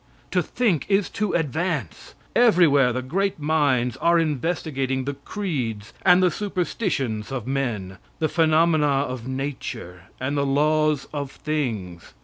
To think is to advance. Everywhere the great minds are investigating the creeds and the superstitions of men the phenomena of nature, and the laws of things.